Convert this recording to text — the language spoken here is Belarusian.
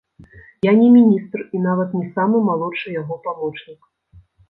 Я не міністр і нават не самы малодшы яго памочнік.